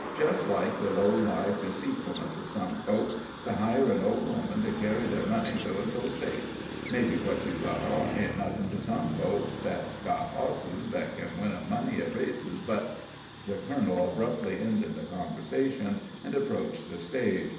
"Jest like the low lived deceitfulness of some folks, to hire an old woman to kerry ther money so it 'ud go safe. Mebbe what she's got hain't nothin' to some folks thet's got hosses thet ken win 'em money at races, but " The colonel abruptly ended the conversation, and approached the stage.